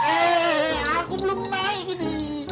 eh aku belum naik ini